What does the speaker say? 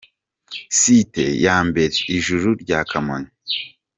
Site ya mbere: Ijuru rya Kamonyi.